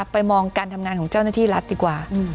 ไปมองการทำงานของเจ้าหน้าที่รัฐดีกว่า